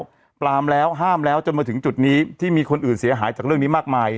ก็ปรามแล้วห้ามแล้วจนมาถึงจุดนี้ที่มีคนอื่นเสียหายจากเรื่องนี้มากมาย